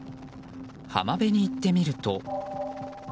浜辺に行ってみると。